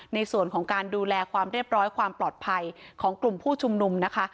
ในส่วนของการดูแลความเรียบร้อยความปลอดภัยของกลุ่มผู้ชุมนุมนะคะ